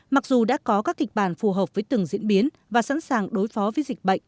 mặc dù đã có các kịch bản phù hợp với từng diễn biến và sẵn sàng đối phó với dịch bệnh